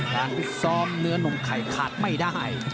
พิษซ้อมเนื้อนมไข่ขาดไม่ได้